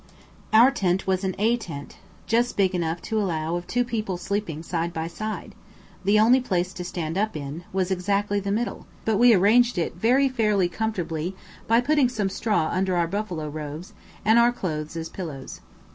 Our tent was an A tent, just big enough to allow of two people sleeping side by side; the only place to stand up in, was exactly in the middle, but we arranged it very fairly comfortably by putting some straw under our buffalo robes, and our clothes as pillows.